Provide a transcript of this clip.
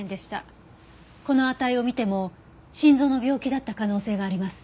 この値を見ても心臓の病気だった可能性があります。